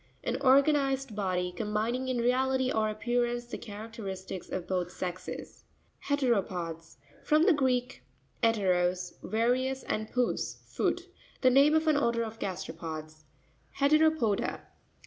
An organized body, com bining in reality or appearance the characteristics of both sexes. He'reropops.—From the Greek ete. ros, various, and pous, foot. The name of an order of gasteropods. He'reropo'pa.